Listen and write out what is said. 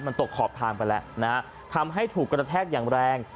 มันตกขอบทางไปแล้วนะฮะทำให้ถูกกระแทกอย่างแรง